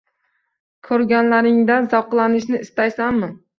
Koʻrganlaringdan zavqlanishni istaysanmi